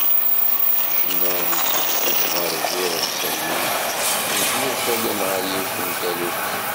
Ccna i yettḥessis γer bu iḍebsiyen yeldi-as allen γer yiwet n taluft.